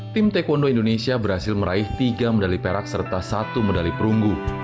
tim taekwondo indonesia berhasil meraih tiga medali perak serta satu medali perunggu